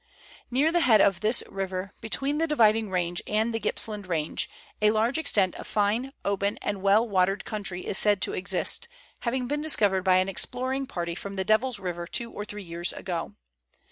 Near the head of this river, between the Dividing Range and the Gippsland Range, a large extent of fine, open, and well watered country is said to exist, having been discovered by an exploring party from the Devil's River two or three years ago.